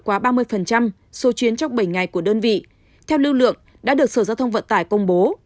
quá ba mươi số chuyến trong bảy ngày của đơn vị theo lưu lượng đã được sở giao thông vận tải công bố